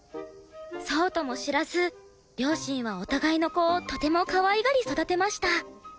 そうとも知らず両親はお互いの子をとてもかわいがり育てました。